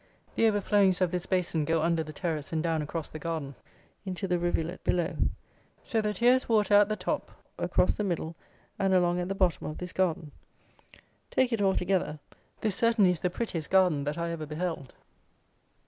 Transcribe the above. The overflowings of this basin go under the terrace and down across the garden into the rivulet below. So that here is water at the top, across the middle, and along at the bottom of this garden. Take it altogether, this, certainly, is the prettiest garden that I ever beheld.